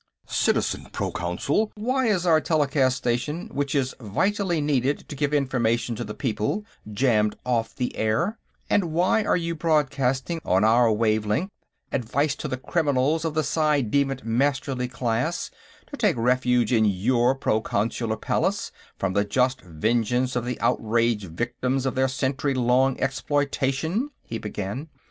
"Citizen Proconsul; why is our telecast station, which is vitally needed to give information to the people, jammed off the air, and why are you broadcasting, on our wavelength, advice to the criminals of the ci devant Masterly class to take refuge in your Proconsular Palace from the just vengeance of the outraged victims of their century long exploitation?" he began.